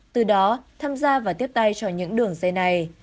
từ đó tham gia và tiếp tay cho những đường dây này